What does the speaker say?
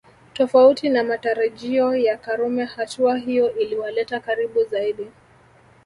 Tofauti na matarajio ya Karume hatua hiyo iliwaleta karibu zaidi